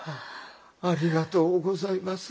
ありがとうございます。